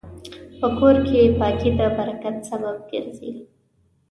په کور کې پاکي د برکت سبب ګرځي.